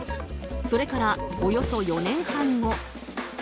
それから、およそ４年半後。